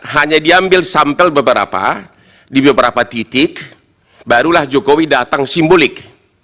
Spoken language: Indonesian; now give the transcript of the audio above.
hanya diambil sampel beberapa di beberapa titik barulah jokowi datang simbolik